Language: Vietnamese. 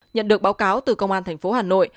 nhận được báo cáo từ công an tp hà nội